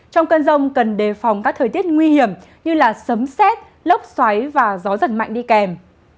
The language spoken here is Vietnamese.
trong cơn rông cần đề phòng các thời tiết nguy hiểm như sấm xét lốc xoáy và gió giật mạnh đi kèm